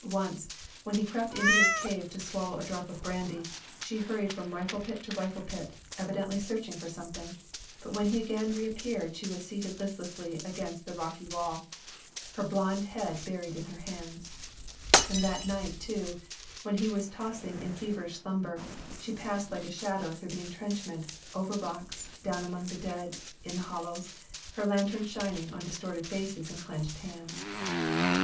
Once, when he crept into his cave to swallow a drop of brandy, she hurried from rifle pit to rifle pit, evidently 221 222 In the Name of the Most High. searching for something, but when again he reap peared she was seated listlessly against the rocky wall, her blond head buried in her hands. And that night too, when he was tossing in feverish slumber, she passed like a shadow through the intrenchment, over rocks, down among the dead in the hollows, her lantern shining on distorted faces and clenched hands.